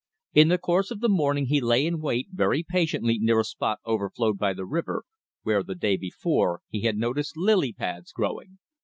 In the course of the morning he lay in wait very patiently near a spot overflowed by the river, where, the day before, he had noticed lily pads growing.